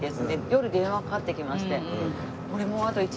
夜電話がかかってきまして。